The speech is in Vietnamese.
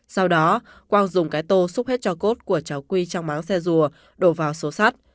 sau đó quang dùng cái tô xúc hết cho cốt của cháu quy trong máu xe rùa đổ vào số sát